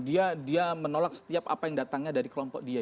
dia menolak setiap apa yang datangnya dari kelompok dia